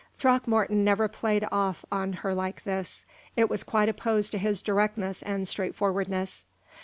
Throckmorton never played off on her like this it was quite opposed to his directness and straightforwardness.